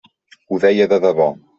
Ho deia de debò.